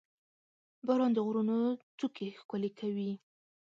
• باران د غرونو څوکې ښکلې کوي.